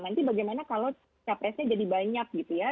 nanti bagaimana kalau capresnya jadi banyak gitu ya